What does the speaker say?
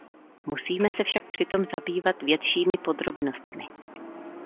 Musíme se však při tom zabývat většími podrobnostmi.